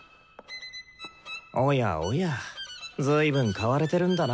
おやおやずいぶん買われてるんだな